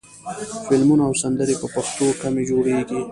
فلمونه او سندرې په پښتو کمې جوړېږي.